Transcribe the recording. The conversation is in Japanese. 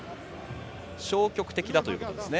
消極的だということですね。